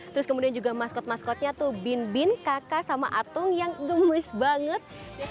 terus kemudian juga maskot maskotnya tuh bin bin kakak sama atung yang gemes banget